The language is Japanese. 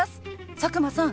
佐久間さん